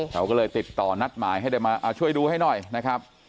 เราก็เลยติดต่อนัดหมายให้ได้มาช่วยดูให้หน่อยนะครับ